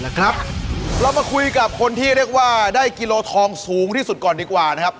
เรามาคุยกับคนที่เรียกว่าได้กิโลทองสูงที่สุดก่อนดีกว่านะครับ